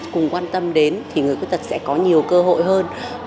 cùng quan tâm đến thì người khuyết tật sẽ có nhiều cơ hội hơn